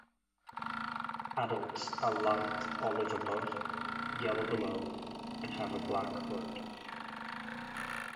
Adults are light olive above, yellow below and have a black hood.